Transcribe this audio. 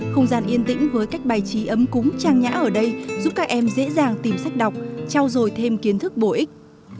không gian yên tĩnh với cách bài trí ấm cúng trang nhã ở đây giúp các em dễ dàng tìm sách đọc trao dồi thêm kiến thức bổ ích